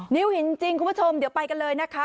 นิ้วหินจริงคุณผู้ชมเดี๋ยวไปกันเลยนะคะ